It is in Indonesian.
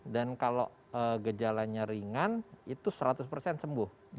dan kalau gejalanya ringan mereka akan merasa tidak bisa berhasil